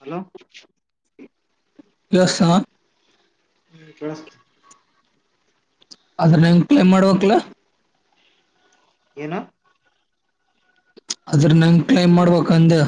Hello yes ಎ ಕೇಳ್. ಅದ್ರಂಗ್ [unintelligible] ಮಾಡಂತೀಯಾ. ಏನು ಅದ್ರಂಗ್ ಕ್ಲೈಮ್ ಮಾಡ್ಬೇಕ್ ಹಂಗೆ.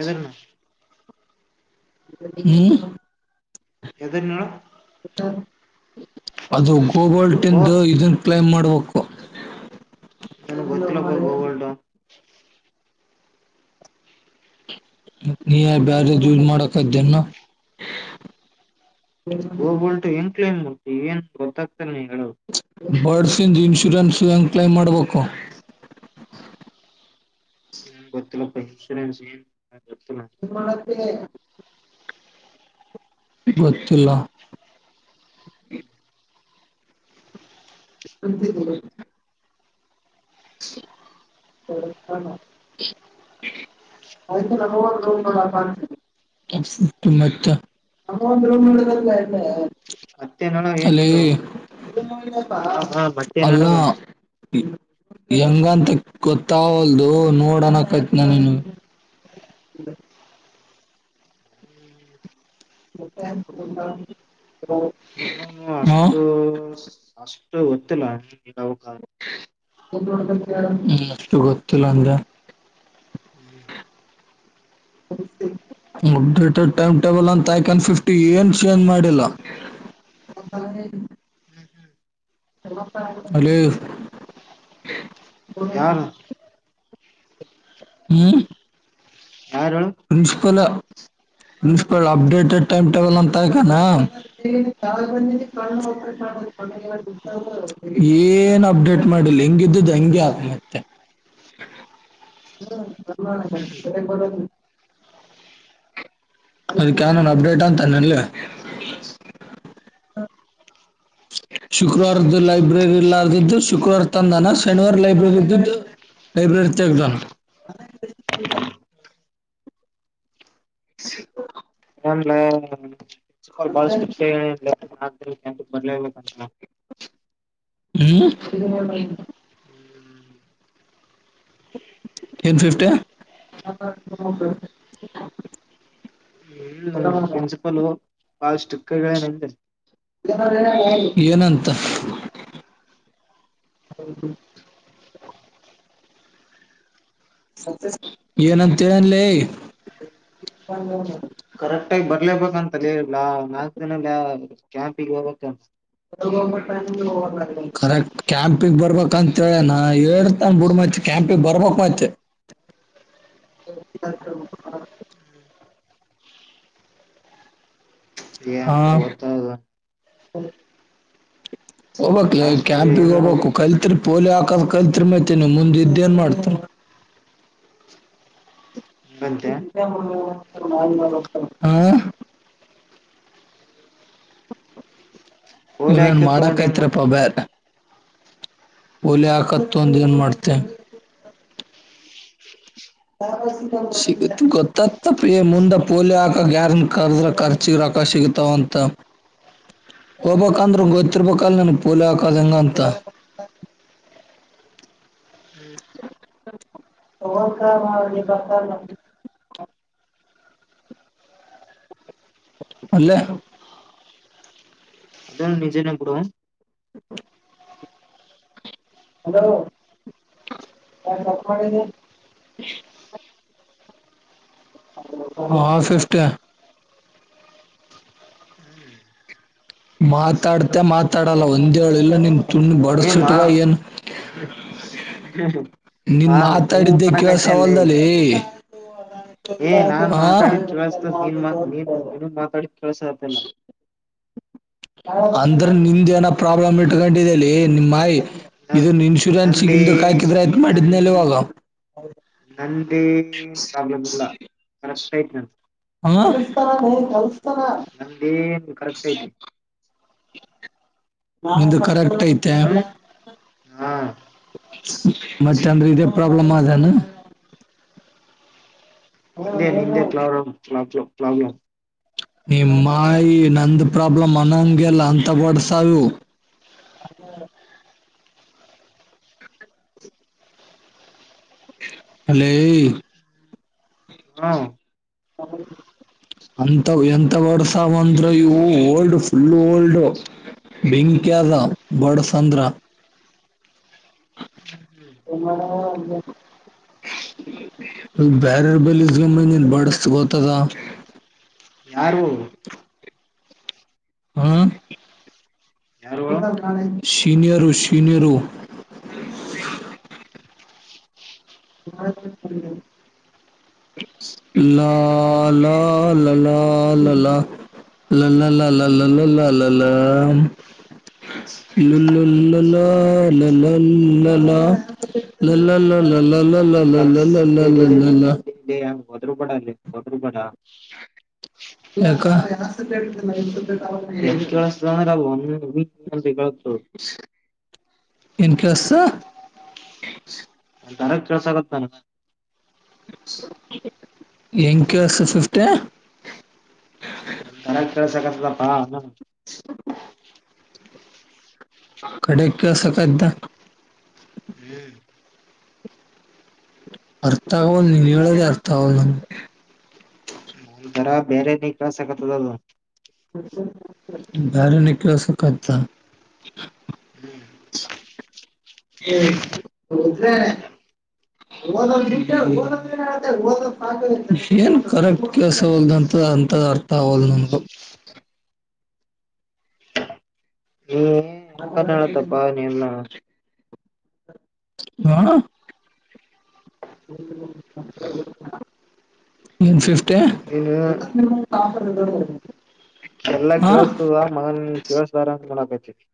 ಎದನ್ನ್ ಹ್ಮ್. ಏದನ್ನೇಳು. ಅದು. ಓಬಲ್ಟ್ ಸ್ವಲ್ಪ ತಿಂದು ಇದನ್ನ ಕ್ಲೈಮ್ ಮಾಡ. ನೋಕೂ. ನನಿಗ ಗೊತ್ತಿಲ್ಲಪ್ಪ ಗೊ ಗೋಲ್ಡು. ನೀಯ ಬ್ಯಾರ ಯೂಸ್ ಮಾಡಕ್ದನ [inaudible] ಗೋಬಲ್ಟು ಏನ್ ಕ್ಲೇಮು. ಈಗೇನ್ ಗೊತ್ತಾಗ. ಕ ನಿಂಗ ಹೇಳದು. ಬರ್ಡ್ಸಿಂದ್ ಇನ್ಶೂರೆನ್ಸ್ ಹೆಂಗೆ ಕ್ಲೈಮ್ ಮಾಡಬೇಕು. ನನಗ ಗೊತ್ತಿಲ್ಲಪ್ಪ ಇನ್ಸೂರೆನ್ಸ್ ಏನ್. ಗೊತ್ತಿಲ್ಲ ಎನ್ ಮಾಡತ್ತಿ. ಗೊತ್ತಿಲ್ಲಾ. [inaudible] ಆ್ ನಮ್ ನ ರ್ ಆಯ್ [inaudible] ಹ [unintelligible] ಏನ್ ಅಲೆ ಹಾ ಅಲ್ಲಾ ಮತ್ತೇನಡದ ಹೆಂಗಂತ. ಗೊತ್ತಾಗಲ್ದು ನೋಡಅಣ್ಣಕತ್ನಿ ನೀನ. ಹ [inaudible] ಮತ್ತ [inaudible] ನಾನು ಅಷ್ಟು ಅಷ್ಟ. ಗೊತ್ತಿಲ್ಲಾ. ಅಷ್ಟು ಗೊತ್ತಿಲ್ಲ ಅಂದೆ. ಹ್ಮ್. ಅಪ್ಡೇಟೆಡ್ ಟೈಮ್ ಟೇಬಲ್ ಅಂತ ಹಾಕ್ಯಾನ್ ಫಿಫ್ಟಿ ಏನ ಚೇಂಜ್ ಮಾಡಿಲ್ಲ. ಅಲೋ. ಯಾರು. ಹ್ಮ್. ಯಾರು principal. Principal updated time table ಅಂತಾಕ್ಯನ ಏನ್ ಅಪ್ಡೇಟ್ ಮಾಡಿಲ್ಲ ಹೆಂಗಿದ್ದುದು ಹಂಗಗೆ ಅದ. ಅದಕ್ಯವ್ನಾನ್ ಅಪ್ಡೇಟ್ ಅಂತಾನ ಲೆ. ಶುಕ್ರವಾರದ್ದು ಲೈಬ್ರರಿ ಇರ್ಲರದದ್ದು ಶುಕ್ರವಾರ ತಂದಾನ ಶನಿವಾರ ಲೈಬ್ರರಿ ಇದ್ದದು ಲೈಬ್ರರಿ ತೆಗ್ದಾನ. [inaudible] ಹನ್ಲ್ಲ [inaudible] ಬು [unintelligible] ಬರ್ಲೆಬೇಕಾ ಚಿನ್. ಹ್ಮ್. ಏನ್ ಫಿಫ್ಟಿ [inaudible] ಹ್ಮ ಪ್ರಿನ್ಸಿಪಲ್ ಬಳಷ್ಟು ಕೈಗಳೇಏನಂದೆ ಏನಂತ [inaudible] [inaudible] ಏನಂತ ಹೇಳಿನ ಕರೆಕ್ಟ್ ಆಗಿ ಬರ್ಲೇಬೇಕಂತಲ್ಲಾ ನಾಲ್ಕು ದಿನ ಕ್ಯಾಂಪಿಗೆ ಹೋಗಬೇಕ ಕರೆಕ್ಟ್ ಕ್ಯಾಂಪಿಗೆ ಬರ್ಬೇಕ ಅಂತೇಳೇ ನ ಹೇಳ್ತಂದ ಬಿಡು ಮತ್ತೆ ಕ್ಯಾಂಪಿಗೆ ಬರ್ಬೇಕಕ್ ಮತ್ತೆ [inaudible] ಹೊತ್ತದ ಹೌ [unintelligible] ಹೋಗಬಕ್ ಲಾಸ್ಟ್ಗೆ ಕ್ಯಾಂಪಿಗ್ ಏನ್ ಹೋಗ್ಬೇಕು ಮಾಡ್ಬೇಕ ಕಲ್ತ್ರಿ ಪೋಲಿ ಹಾಕ ಅಕ್ಕದ ಕಲ್ತ್ರಿ ಮತ ನೀ ಮುಂದ ಇದ ಏನ್ ಮಾಡ್ತ ಹಂಗಂತೆ [unintelligible] ಹಾ ಪೋಲಿ ಇನನ್ ಹಾಕಿ ತಗೊಂಡ್ ಏನ್ ಮಾಡಕೈತ್ರಪ್ಪ ಮಾಡ್ತಿ ಬ್ಯರ್ ಓಲೆ ಹಕತ್ತ ಒಂದ ಏನ್ ಮಾಡ್ತೆ ಸಿಗ ಗೊತ್ತತ್ತಪ್ಪ ಮುಂದೆ ಪೋಲಿಯೋ ಹಾಕ ಗ್ಯಾರಂ ಕದ್ರ ಖರ್ಚಿಗೆ ರೊಕ್ಕ ಸಿಗತಾವ ಅಂತ ಹೋಗ್ಬಂದ್ರ ಗೊತ್ತಿರ್ಬೇಕಲ್ ನನ್ ಪೋಲಿಿಯೋ ಹಾಕದ ಹೆಂಗ ಅಂತ ಅವಕ ಬತ ಅಲ್ಲೇ ಅ ನಿಜನ ಬಿಡ ಹಲೋ ಯಪ್ಪ ಮಾಡ ಮಹಾಶೇಷ್ಟ ಮಾತಾಡ್ತೆ ಮಾತಾಡಲ್ಲ ಒಂದಏಳು ಇಲ್ಲ ನಿನ್ ತುಂಡ ಏ ಮಾ ಬಡಸುಟ್ಗ ಏನ್ ನೀನ್ ಮಾ ಹೂ ಮಾತಾಡಿದ್ದೆ ಕೇಳ ಅನ್ನಕತ್ನಲ್ಲೇ ಸವಲ್ದದಲ್ಲಿ ಏ ನಾನ್ ಮಾತಾಡಿದ್ ಕೇಳಸತ ನೀನ್ ಮಾ ನೀನ್ ನಿನ್ ಮಾತಾಡಿದ ಕೇಳಸತ್ತಲ್ಲ ಅಂದ್ರ ನಿಂದೇಏನೋ ಪ್ರಾಬ್ಲಮ್ ಇಟ್ಕೊಂಡಿದ್ದಲ್ಲಿ ನಿಮ್ಮಾಯಿ ನನ್ ಇದನ್ ನಂದೇ ಇನ್ಶೂರೆನ್ಸ್ಗಿಂದ ಕ ಹಾಕಿದ್ರೆ ಆಯ್ತ ನನ್ ಮಾಡಿದ್ನೇಲೆ ಇವಾಗ ನಂದೇ ಸೈ ಹ ಅತರ ಕತರ ನಂದೇನ್ ಕರೆಕ್ಟ್ ಐತಿ ನಿಂತ ಕಾರ ಊಟ ಆಯ್ತಾ ಹ್ಮ್ ಹಾ ಮತ್ತ ಚಂದ್ರ ಇದೇ ಪ್ರಾಬ್ಲಮ್ ಅದೇಾನ ಹೇ ನಿದೆ ಕಲಲ [unintelligible] ನಿ ಮಾಯಿ ನಂದ ಪ್ರಾಬ್ಲಮ ಅನಂಗಲ್ಲ ಅಂತ ಬಡ್ಸಾವು ಅಲೇ ಹ್ಮ ಅಥ ಎಂಥ ಬಡ್ಸವಂದ್ರ ಇವು ಓಲ್ಡ್ ಫುಲ್ ಓಲ್ಡ್ ಬೆಂಕ್ಯಾದ ಬಡ್ಸಂದ್ರ ಬ್ಯಾರರ್ ಬಲಿಸ್ ಗಮ್ಮ ನೀ ಬಡಸ್ ಗೋತ್ತದ ಯಾರು? ಹ ಯಾರು [unintelligible] ಶೀನಿಯರು ಶೀನಿಯರು ಲಾ ಲಾ ಲ ಲ ಲ ಲಾ ಲಾ ಲ ಲ ಲಾ ಲು ಲಾ ಲಾ ಲ್ ಲ್ಲಲ ಲಕ್ಸ್ [unintelligible] ವದ್ರುಬೇಡ ಲೆ ವದ್ರುಬೇಡ ಯಾಕ [unintelligible] ಏನ್ ಕೇಳಸ್ತದ ಅಂದ್ರ ಬೋ ಹ್ಮ ಬ [unintelligible] [inaudible] ಇನ್ಕಸ್ಸು ದಾರ ಕೆಲಸ ಆಗತ್ತಾನ. ಎಂಕೆಸ್ ಫಿಫ್ಟಿ ಕರೆಕ್ಟ್ ಕಳ್ಸಕತ್ತದಪ್ಪಾ ಕಡೆಕ್ಕೆಸಕ್ ಅದ್ದ ಹ್ಮ್ ಅರ್ಥ ಆಗ್ವಲ್ ನೀನ್ ಹೇಳದೇ ಅರ್ಥಾಗಲ್ ನಮ್ ಬರ ಬೇರೆ ನೀ ಕೇಳ್ಸಕ್ಕತ್ತದ್ ಅದು. ಬ್ಯಾರೆ ನೆ ಕೇಳ್ಸಕತ್ತ [unintelligible] ಏನ್ ಕರೆಕ್ಟ್ ಕೆಳ್ಸವಲ್ಡ್ ಅಂತ ಅಂತ ಅರ್ಥ ಅಗವಲ್ ನನ್ಗ. ಹೇಳತಪ್ಪ ನೀ ಇಲ್ಲ ಹಾ ಏನ್ ಫಿಫ್ ಟಿ [unintelligible] ನೀನು [unintelligible] ಎಲ್ಲಾ ಕೇಳ್ಸ್ತದ ಮಗನ ನೀನ್ ಕೇಳಸ್ದಾರಂಗ್ ಮಾಡಾಕತ್ [inaudible]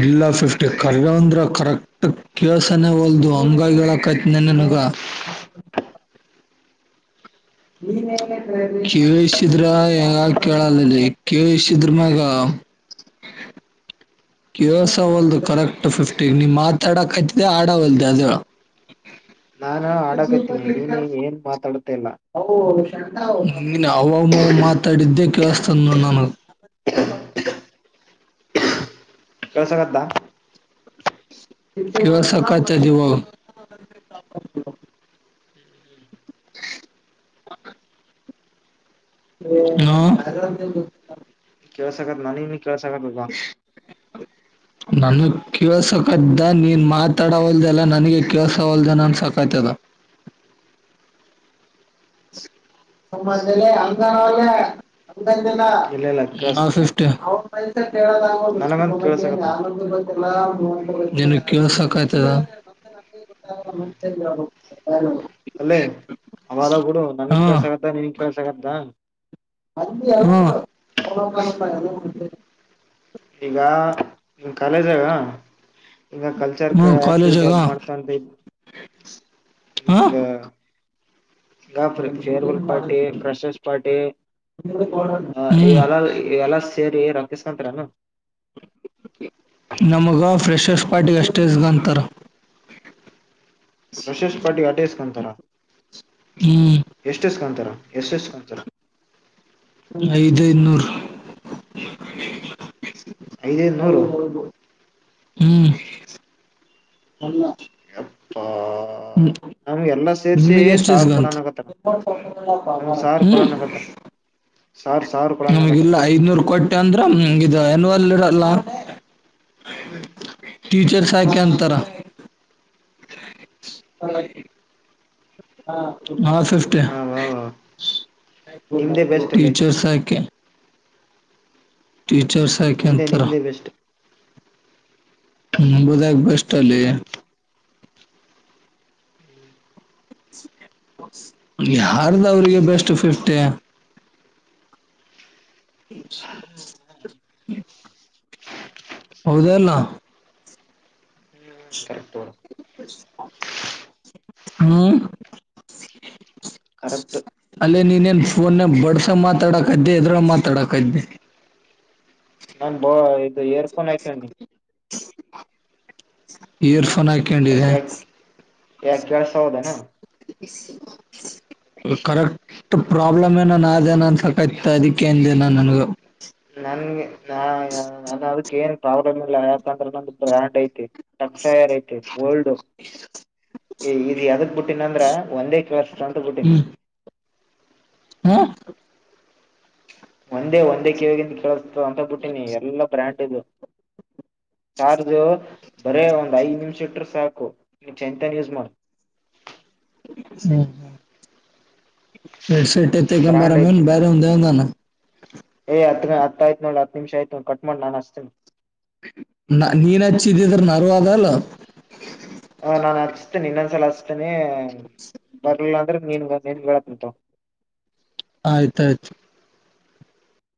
ಇಲ್ಲ ಫಿಫ್ಟಿ ಕಲ್ ಅಂದ್ರ ಕರೆಕ್ಟ್ ಕೇಳ್ಸನೇ ವಲ್ದು ಅಂಗಾಗ್ ಹೇಳ ಕೈತ್ನ ನಿನಗ. ಕೇಳಿಸಿದ್ರ ಯಾಕ್ ಕೇಳಲ್ಲ ಲೇ ಕೇಳಿಸಿದ್ರ್ ಮ್ಯಾಗ ಕೇಳಸವಲ್ದು ಕರೆಕ್ಟ್ ಫಿಫ್ಟಿ ನೀ ಮಾತಾಡಕ್ಕತ್ತಿದ್ದೆ ಆಡವಲ್ದೆ ಅದೇಳ್ ನಾನ ಹಾಡಾಕತೀನಿ ನೀನ್ ನೀನ್ ಏನ್ ಮಾತಾಡ್ತ ಇಲ್ಲ. ನೀನ ಅವ ಮವ್ ಮಾತಾಡಿದ್ದೇ ಕೇಳಿಸ್ತದ್ ನೋಡ್ ನನ [inaudible] ಕೇಳ್ಸಾಕತ್ದ, ಇವಾಗ್ ಸಕ್ಕಾತದ್ ಇವಾಗ್ [inaudible] ಹ್ಮ್ ಕೇಳ್ಸಾಕತ್ತ್ ನನಿಗ್ ನೀ ಕೇಳ್ಸಕತ್ತದ್ ಬಾ ನನ್ ಕೇಳಸಕ್ದ ನೀನ್ ಮಾತಾಡವಲ್ದೆಲ್ಲಾ ನನಗೆ ಕೇಳಸಾ ವಲ್ದ ಏನ್ ಅನ್ಸಾಕತದ [unintelligible] [unintelligible] [unintelligible] [unintelligible] ಇಲ್ಲ ಇಲ್ಲ ಕೇಳಸ್ತ ಬಿಡ ನನಗಂತ ಕೇಳ್ಸಕತ್ತದ ನಿಂಗ್ ಕೇಳಿಸಿಕತ್ತದ ಅಲ್ಲೇ ಅವಗಾರ ಬಿುಡು ನನಗ್ ಹಾ ಕೇಳಿಸಿ ಕತ್ತದ ನಿಂಗ್ ಕೆೇಳಳ್ಸಕತ್ತದ ಹ್ಮ್ಮ್. ಈಗ ನಿಮ್ ಕಾಲೇಜ್ ದಾಗ ಈಗ ಕಲ್ಚರ್ ಹ್ಮ ಕ ಆಕ್ಟಿವಿಟಿ ಅದ್ ಕಾಲೇಜಾಗ ಮಾಡ್ತಾಂತ [unintelligible] ಹಾ [unintelligible] ಫೇರ್ವೆಲ್ ಪಾರ್ಟಿ ಫ್ರೆಶಸ್ ಪಾರ್ಟಿ ಆ ಹ್ಮ್ ಇವೆಲ್ಲ ಇವೆಲ್ಲ ಸೇರಿ ಇಸ್ಕಾಂತೀರೆನು ನಮಗ ಫ್ರೆಷರ್ಸ್ ಪಾರ್ಟಿಗ ಅಷ್ಟೇ ಇಸ್ಕೊಂತಾರ್ ಪ್ರೆಶರ್ ಪಾರ್ಟಿ ಗೇ ಅಷ್ಟೇ ಇಸ್ಕಾಂತರಾ ಹ್ಮ್ ಎಷ್ಟ ಇಸ್ಕಂತರ ಎಷ್ಟ ಎಷ್ಟ್ ಇಸ್ಕಂತರ ಐದ ಐದ ನೂರು ಐದ ಐದು ನೂರು ಹ್ಮ್ [unintelligible] ಯಪ್ಪಾ ಹ್ಮ ನಮ್ಗೆ ಎಲ್ಲಾ ಸೇರ್ಸಿ ನಿಮಗೆಷ್ಟು ಸಾವಿರ ಕೊಡನಕತ್ತಾರ ಇಸ್ಗಂತಾರಾ ನಮ್ ಸಾರ್ ಹೂ ಕೊಡನಕತ್ತಾರ ಸಾರ್ ಸಾರ್ ನಮಗೆ ಕೊಡನಕತ್ತಾರ ಇಲ್ಲ ಐದ್ನೂರ್ ಕೊಟ್ಟಿ ಅಂದ್ರ ಇದು ಯನುವಲ್ ಇರಲ್ಲ [unintelligible] ಟೀಚರ್ಸ್ ಹಾಕಿ ಅಂ ತಾರಾ [unintelligible] ನಾವ ಫಿಫ್ಟಿ ಹ ವಾ ವಾ ನಿಮ್ದೇ ಬೆಸ್ಟ್ ಅಲ್ಲಿ ಟೀಚರ್ಸ್ ಹಾಕಿ ಟೀಚರ್ಸ್ ನಿಮ್ದೇ ಹಾಯ್ಕೊಂತಾರಾ ಹ ನಿಮ್ದೇ ಬೆಸ್ಟ್ ನಮ್ಮದು ಯಾಕ್ ಬೆಸ್ಟ್ ಲೇ ಯಾರ್ದ ಅವ್ರಿಗೆ ಬೆಸ್ಟ್ ಫಿಫ್ಟಿ [unintelligible] ಹೌದ ಅಲ್ಲ ಕರೆಕ್ಟ್ ಹೂ ಕರೆಕ್ಟ್ ಅಲ್ಲೇನ ನೀನೆನ್ ಪೋನನ್ಯಾಗ ಬಡ್ಸ್ ಆಗ ಮಾತಾಡಕತಿ ಏನ್ ಏದರಾಗ ಮಾತಾಡಕತಿ ನಾನ್ ಬ ಇದ ಇಲ್ಲಿ ಇಯರ್ಫೋನ್ ಹಾಕ್ಕೆಂಡಿನಿ ಇಯರ್ಫೋನ್ ಹಾ ಕ್ಕೆಂಡಿದಾ ಯಾಕ್ ಕೆಲ್ಸಾವಲ್ಲದೇನು ಕರೆಕ್ಟ್ ಪ್ರಾಬ್ಲಮ್ ಏನ ನೇನ ಆದೇನು ಅನ್ಸಕತ್ತು ಅದಕ್ಕೇ ಅಂದೆ ನಾ ನಂಗೂ ನನ್ಗೆ ನಾ ನಾನ ಅದಕ್ಕ ಏನ್ ಪ್ರಾಬ್ಲಮ್ ಇಲ್ಲ ಯಾಕಂದ್ರೆ ನಮ್ದು ಬ್ರ್ಯಾಂಡ್ ಐತಿ ಟಚ್ ವೈರ್ ಐತಿ ಗೋಲ್ಡ್ ಹೇ ಇದು ಎದುಕ ಬುಟ್ಟಿನಂದ್ರ ಒಂದೇ ಕೇಳಿಸುತ್ತಾ ಅಂತ ಬುಟ್ಟಿನಿ ಹ್ಮ್ ಹಾ ಒಂದೇ ಒಂದೇ ಕಿವಗಂತ ಕೇಳ ಅಂತ ಬಿಟ್ಟಿನಿ ಎಲ್ಲ ಬ್ರ್ಯಾಂಡ್ ಚಾರ್ಜ ಬರೇ ಒಂದ್ ಐದ್ ನಿಮಿಷ ಇಟ್ರ ಸಾಕು ಚೈಂತನ್ ಯುಜಮಲ್ ಹ್ಮ ಹೆಡ್ ಶೆಟ್ ಎತ್ತ ಕಂಬಾರ ಬ್ರಾಂಡ್ ಮ ಐತಿ ಬರೆ ಹಂದ ಹಂದಾನ ಏ್ ಹತ್ ಹತ್ ಆ್ತ ನೋ ಹ ನಿಮಿಷ ಆಯತು ಕಟ್ ಮಾಡ ನಾನ್ ಅಸ್ತೇನೆ ನ ನೀನ್ ಹಚ್ಚಿದ್ದಿದ್ರ ನರಲ್ಲ ನಾನನ್ ಹಚ್ತೇನೆ ಇನ್ನೊಂದ್ಸಲ ಹಚ್ತೇನೆ ಬರ್ಲಿಲ್ಲ ಅಂದ್ರ ನೀನ್ ನೀನ್ ಹೇಳತ್ ನಿಂತವ ಆಯ್ತಾಯ್ತು